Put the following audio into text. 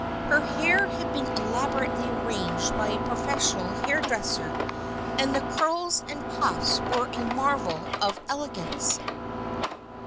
Her hair had been elaborately arranged by a professional hair dresser and the curls and puffs were a "marvel of elegance."